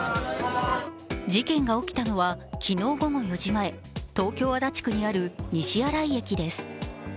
事件が起きたのは昨日午後４時前、東京・足立区にある西新井駅です。